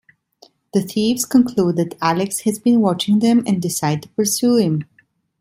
The thieves conclude that Alex has been watching them and decide to pursue him.